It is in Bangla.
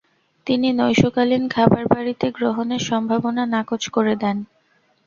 তিনি নৈশকালীন খাবার বাড়ীতে গ্রহণের সম্ভাবনা নাকচ করে দেন।